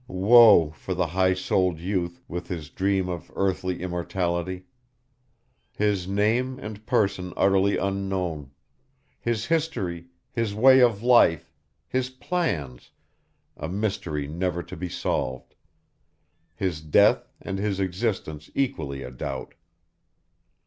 Woe for the high souled youth, with his dream of Earthly Immortality! His name and person utterly unknown; his history, his way of life, his plans, a mystery never to be solved, his death and his existence equally a doubt!